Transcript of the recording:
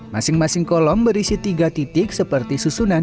masing masing kolom berisi tiga titik seperti susunan